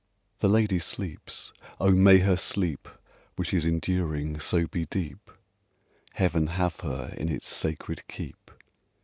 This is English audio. The lady sleeps! Oh, may her sleep Which is enduring, so be deep! Heaven have her in its sacred keep!